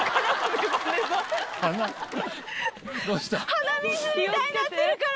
鼻水みたいになってるから！